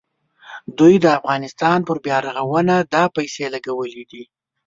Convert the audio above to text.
دوی د افغانستان پر بیارغونه دا پیسې لګولې دي.